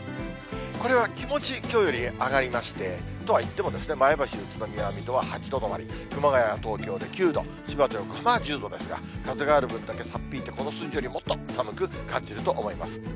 これは気持ち、きょうより上がりまして、とはいってもですね、前橋、宇都宮、水戸は８度止まり、熊谷、東京で９度、千葉と横浜は１０度ですが、風がある分だけ差っ引いて、この数字よりもっと寒く感じると思います。